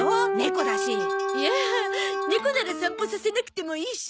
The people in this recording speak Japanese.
いやあ猫なら散歩させなくてもいいし。